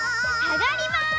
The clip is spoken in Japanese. あがります。